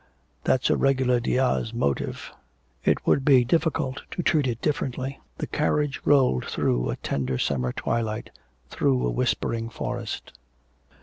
'That's a regular Diaz motive. It would be difficult to treat it differently.' The carriage rolled through a tender summer twilight, through a whispering forest.